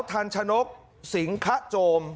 ทันชนกสิงคะโจม